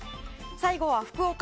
最後は福岡。